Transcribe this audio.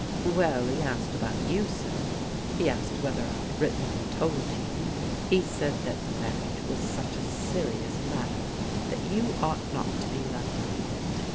" Well, he asked about you, sir. He asked whether I'd written and told you. He said that marriage was such a serious matter that you ought not to be left out of it.